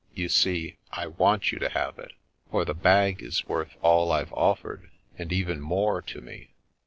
You see, I want you to have it, for the bag is worth all I've oflfered and even more to me."